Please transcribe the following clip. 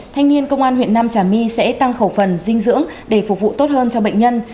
thanh niên công an huyện nam trà my sẽ tăng khẩu phần dinh dưỡng để phục vụ tốt hơn cho bệnh nhân